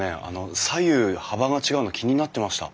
左右幅が違うの気になってました。